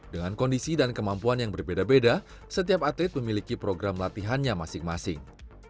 dengan kondisi dan kemampuan yang berbeda beda setiap atlet memiliki program latihannya masing masing